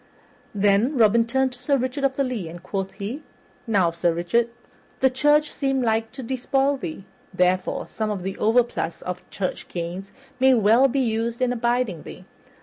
Then Robin turned to Sir Richard of the Lea, and quoth he, "Now, Sir Richard, the church seemed like to despoil thee, therefore some of the overplus of church gains may well be used in aiding thee.